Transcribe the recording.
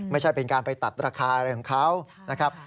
ไม่ใช่เป็นการไปตัดราคาอะไรของเขานะครับ